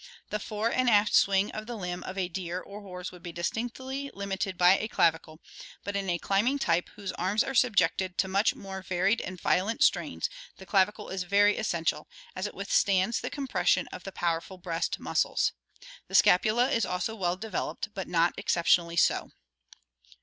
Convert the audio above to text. The fore and aft swing of the b'mb of a deer or horse would be distinctly limited by a clavicle, but in a climbing type whose arms are subjected to much more varied and violent strains the clavicle is very essential, as it withstands the compres sion of the powerful breast muscles. The scapula is also well de veloped, but not exceptionally so.